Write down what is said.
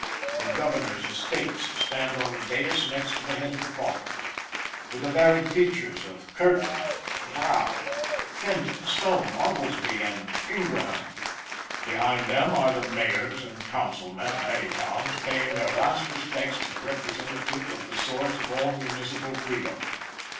The governors of states stand on the dais next to the head of the coffin, with the varied features of Curtin, Brough, Fenton, Stone, Oglesby and Ingraham. Behind them are the mayors and councilmen of many towns paying their last respects to the representative of the source of all municipal freedom.